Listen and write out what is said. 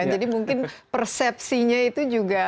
jadi mungkin persepsinya itu juga